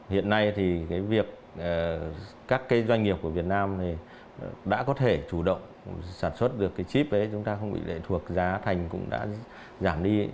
hiện nay thì các doanh nghiệp của việt nam đã có thể chủ động sản xuất được chip chúng ta không bị lệ thuộc giá thành cũng đã giảm đi